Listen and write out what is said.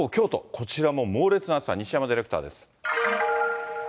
こちらも猛烈な暑さ、西山ディレクターです。